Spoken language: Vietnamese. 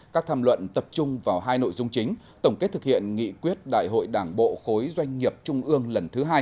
các tham luận tập trung vào hai nội dung chính tổng kết thực hiện nghị quyết đại hội đảng bộ khối doanh nghiệp trung ương lần thứ hai